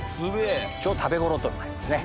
ちょうど食べ頃となりますね。